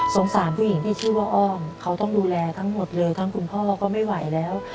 สารผู้หญิงที่ชื่อว่าอ้อมเขาต้องดูแลทั้งหมดเลยทั้งคุณพ่อก็ไม่ไหวแล้ว